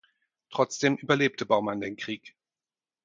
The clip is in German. Trotzdem überlebte Baumann den Krieg.